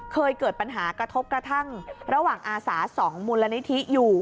เคยเกิดปัญหากระทบกระทั่งระหว่างอาสา๒มูลนิธิอยู่